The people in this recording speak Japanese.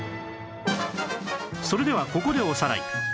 それではここでおさらい